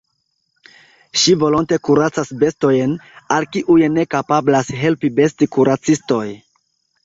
Ŝi volonte kuracas bestojn, al kiuj ne kapablas helpi bestkuracistoj.